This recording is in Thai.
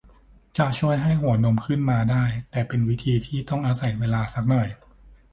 จะช่วยให้หัวนมขึ้นมาได้ แต่เป็นวิธีที่ต้องอาศัยเวลาสักหน่อย